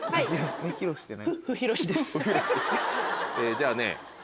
じゃあね。